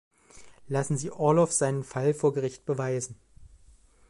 Lassen Sie Orlov seinen Fall vor Gericht beweisen.